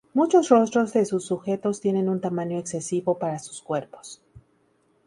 Muchos rostros de sus sujetos tienen un tamaño excesivo para sus cuerpos.